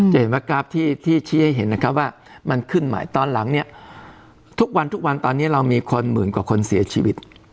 จะเห็นว่ากราฟที่ชี้ให้เห็นนะครับว่ามันขึ้นใหม่ตอนหลังเนี่ยทุกวันทุกวันตอนนี้เรามีคนหมื่นกว่าคนเสียชีวิต